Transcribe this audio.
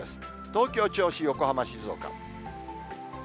東京、銚子、横浜、静岡。